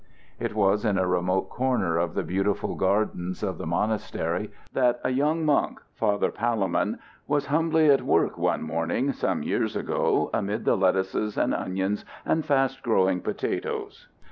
It was in a remote corner of the beautiful gardens of the monastery that a young monk, Father Palemon, was humbly at work one morning some years ago amid the lettuces and onions and fast growing potatoes.